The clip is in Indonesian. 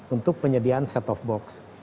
untuk penyediaan set of box